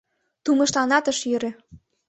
Тумышланат ыш йӧрӧ.